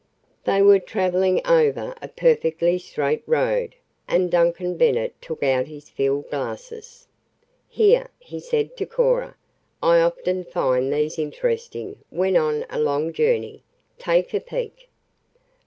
They were traveling over a perfectly straight road, and Duncan Bennet took out his field glasses. "Here," he said to Cora, "I often find these interesting when on a long journey. Take a peek."